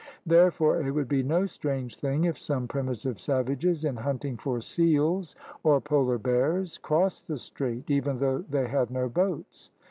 Therefore it would be no strange thing if some primitive savages, in hunting for seals or polar bears, crossed the Strait, even though they had no boats.